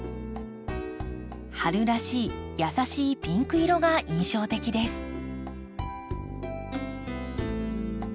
春らしい優しいピンク色が印象的です。